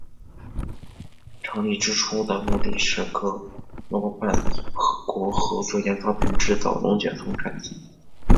成立之初的目的是各夥伴国合作研发并制造龙卷风战机。